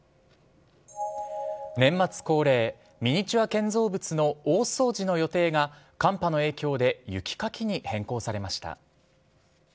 年末恒例、ミニチュア建造物の大掃除の予定が、寒波の影響で雪かきに変更されました。